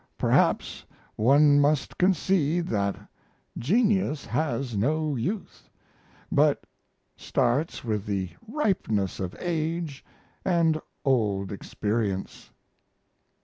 Perhaps one must concede that genius has no youth, but starts with the ripeness of age and old experience.